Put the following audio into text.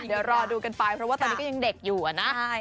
เดี๋ยวรอดูกันไปเพราะว่าตอนนี้ก็ยังเด็กอยู่อะนะ